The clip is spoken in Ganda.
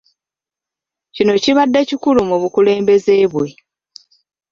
Kino kibadde kikulu mu bukulembeze bwe.